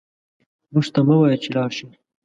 موږ ته مه وايه چې لاړ شئ